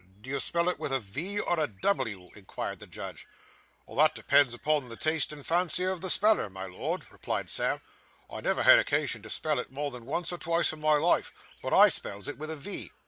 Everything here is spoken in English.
'Do you spell it with a "V" or a "W"?' inquired the judge. 'That depends upon the taste and fancy of the speller, my Lord,' replied Sam; 'I never had occasion to spell it more than once or twice in my life, but I spells it with a "V."